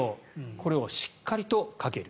これをしっかりとかける。